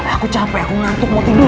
aku capek aku ngantuk mau tidur